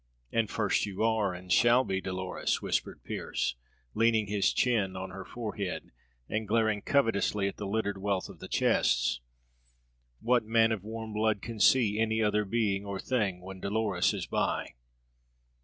"And first you are, and shall be, Dolores," whispered Pearse, leaning his chin on her forehead and glaring covetously at the littered wealth of the chests. "What man of warm blood can see any other being or thing when Dolores is by?"